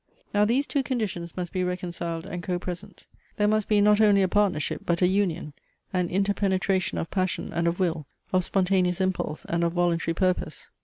Now these two conditions must be reconciled and co present. There must be not only a partnership, but a union; an interpenetration of passion and of will, of spontaneous impulse and of voluntary purpose.